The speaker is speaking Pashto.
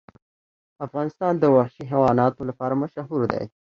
افغانستان د وحشي حیواناتو لپاره مشهور دی.